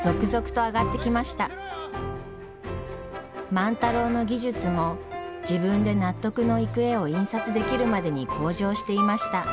万太郎の技術も自分で納得のいく絵を印刷できるまでに向上していました。